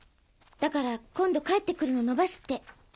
だから今度帰って来るの延ばすって。